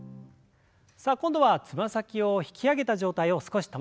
さあ今度はつま先を引き上げた状態を少し保ちます。